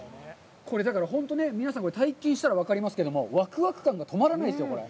これだから本当ね、皆さん、体験したら分かりますけど、わくわく感が止まらないですよ、これ。